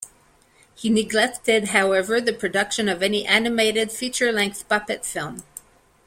He neglected, however, the production of any animated feature-length puppet film.